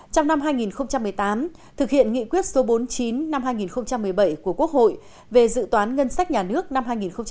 trong năm hai nghìn một mươi tám thực hiện nghị quyết số bốn mươi chín năm hai nghìn một mươi bảy của quốc hội về dự toán ngân sách nhà nước năm hai nghìn một mươi chín